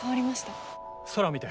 空を見て。